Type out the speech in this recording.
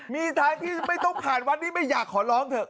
มีทางที่ไม่ต้องผ่านวัดนี้ไม่อยากขอร้องเถอะ